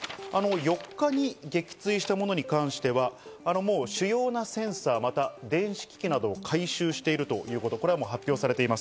４日に撃墜したものに関しては、主要なセンサー、また電子機器などを回収しているということが発表されています。